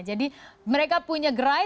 jadi mereka punya gerai